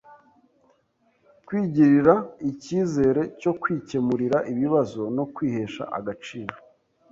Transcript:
kwigirira icyizere cyo kwikemurira ibibazo no kwihesha agaciro;